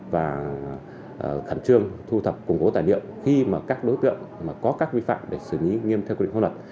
và khẩn trương thu thập củng cố tài liệu khi mà các đối tượng mà có các vi phạm để xử lý nghiêm theo quy định pháp luật